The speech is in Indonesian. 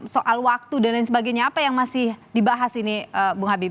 soal waktu dan lain sebagainya apa yang masih dibahas ini bung habib